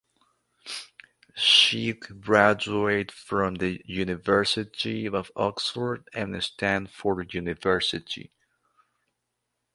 She graduated from the University of Oxford and Stanford University.